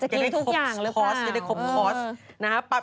เขาอาจจะกินทุกอย่างรึเปล่า